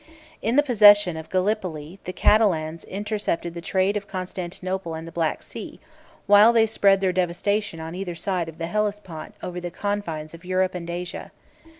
In the possession of Gallipoli, 509 the Catalans intercepted the trade of Constantinople and the Black Sea, while they spread their devastation on either side of the Hellespont over the confines of Europe and Asia.